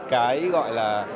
cái gọi là